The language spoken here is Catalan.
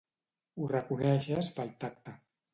Ho reconeixes pel tacte.